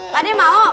pak deh mau